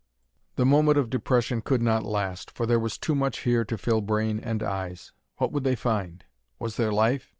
The moment of depression could not last, for there was too much here to fill brain and eyes. What would they find? Was there life?